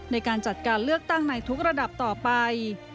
ในการจัดการเลือกตั้งในทุกระดับต่อไป